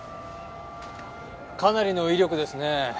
かなりの威力ですねえ。